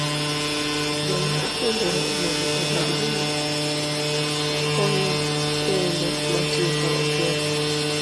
Joma okendore onego obed joma konye kendo ma tiyo kanyachiel